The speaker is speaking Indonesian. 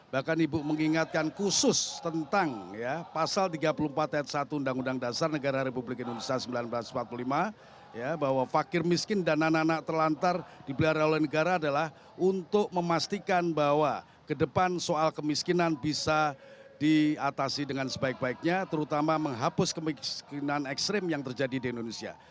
bahkan ibu mengingatkan khusus tentang ya pasal tiga puluh empat t satu undang undang dasar negara republik indonesia seribu sembilan ratus empat puluh lima ya bahwa fakir miskin dan anak anak terlantar dibelahara oleh negara adalah untuk memastikan bahwa kedepan soal kemiskinan bisa diatasi dengan sebaik baiknya terutama menghapus kemiskinan ekstrim yang terjadi di indonesia